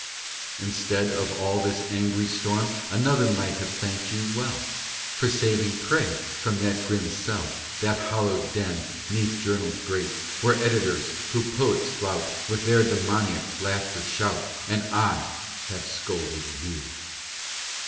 Instead of all this angry storm, Another might have thanked you well For saving prey from that grim cell, That hollowed den 'neath journals great, Where editors who poets flout With their demoniac laughter shout. And I have scolded you!